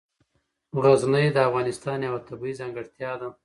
غزني د افغانستان یوه طبیعي ځانګړتیا ده.